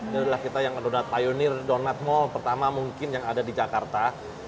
jadi kita yang donat pionir donat mall pertama mungkin yang ada di jakarta